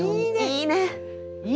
いいね！